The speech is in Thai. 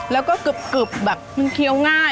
แล้วก็กลึบมันเคียวง่าย